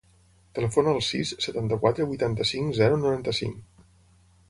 Telefona al sis, setanta-quatre, vuitanta-cinc, zero, noranta-cinc.